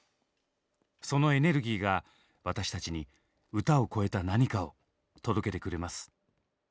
そのエネルギーが私たちに歌を超えた何かを届けてくれます。